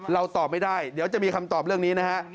ตอบไม่ได้เดี๋ยวจะมีคำตอบเรื่องนี้นะฮะ